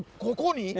ここに？